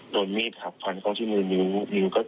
โดนมีดครับควันเข้าที่มือนิ้วก็เกือบขาดอยู่เหมือนกัน